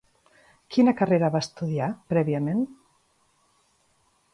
Quina carrera va estudiar prèviament?